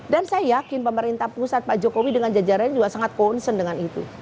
dan saya yakin pemerintah pusat pak jokowi dengan jajaran juga sangat concern dengan itu